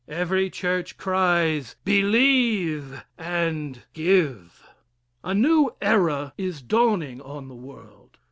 Every church cries: "Believe and give." A new era is dawning on the world.